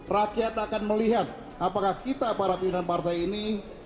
rakyat akan melihat apakah kita para pimpinan partai ini